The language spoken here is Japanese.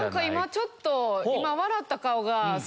今ちょっと笑った顔が。